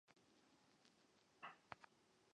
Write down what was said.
圣埃瓦尔泽克人口变化图示